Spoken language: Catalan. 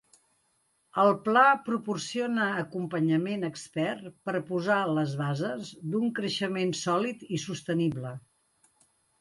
El Pla proporciona acompanyament expert per posar les bases d'un creixement sòlid i sostenible.